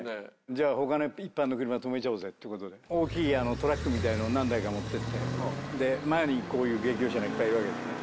じゃあ他の一般の車止めちゃおうぜっていうことで大きいトラックみたいなの何台か持ってってで前にこういう劇用車がいっぱいいるわけだよね。